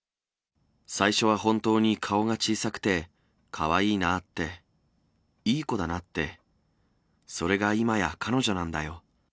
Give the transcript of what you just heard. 最初は本当に顔が小さくて、かわいいなって、いい子だなって、それが今や彼女なんだよ。